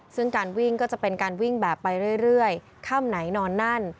ซึ่งการวิ่งก็จะเป็นการวิ่งแบบไปเรื่อยค่ำไหนนอนนั่น